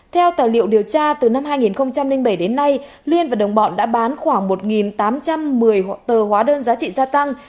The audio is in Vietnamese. theo tài liệu điều tra từ năm hai nghìn bảy đến nay liên và đồng bọn đã bán khoảng một tám trăm một mươi tờ hóa đơn giá trị gia tăng